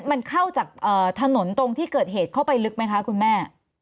มันเข้าจากถนนตรงที่เกิดเหตุเข้าไปลึกไหมคะคุณแม่